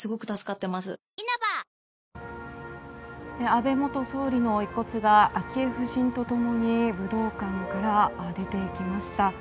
安倍元総理の遺骨が昭恵夫人と共に武道館から出て行きました。